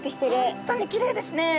本当にきれいですね。